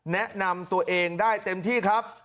แนะนำตัวเองได้เต็มที่ครับ